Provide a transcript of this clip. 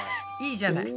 いいじゃない。